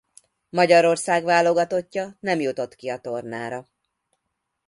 Magyarország válogatottja nem jutott ki a tornára.